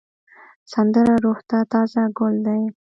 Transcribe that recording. سندره روح ته تازه ګل دی